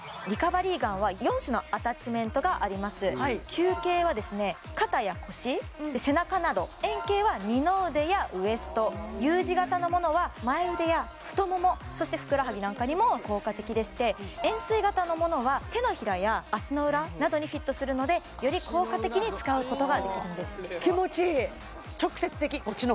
球形は肩や腰背中など円形は二の腕やウエストＵ字形のものは前腕や太ももそしてふくらはぎなんかにも効果的でして円すい形のものは手のひらや足の裏などにフィットするのでより効果的に使うことができるんです気持ちいい直接的こっちの